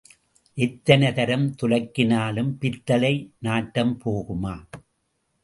எத்தனை தரம் துலக்கினாலும் பித்தளை நாற்றம் போகுமா?